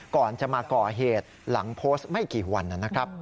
ก่อนจะมาก่อเหตุหลังโพสต์ไม่กี่วันนะครับ